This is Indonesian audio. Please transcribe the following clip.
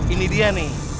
ini dia nih